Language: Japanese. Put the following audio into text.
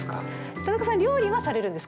田中さん、料理はされるんです